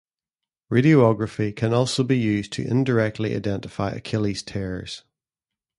Radiography can also be used to indirectly identify Achilles tears.